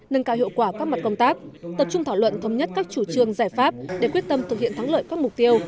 nâng cao hiệu quả các mặt công tác tập trung thảo luận thống nhất các chủ trương giải pháp để quyết tâm thực hiện thắng lợi các mục tiêu